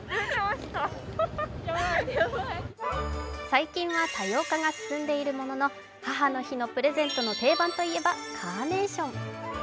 最近は多様化が進んでいるものの、母の日のプレゼントの定番といえばカーネーション。